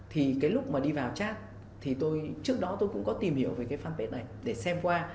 thì cái lúc mà đi vào chat thì tôi trước đó tôi cũng có tìm hiểu về cái fanpage này để xem qua